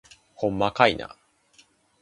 ほんまかいな